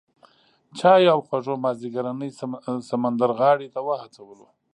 چایو او خوږو مازیګرنۍ سمندرغاړې ته وهڅولو.